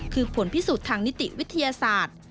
คือผลพิสูจน์ทางนิติวิทยาศาสตร์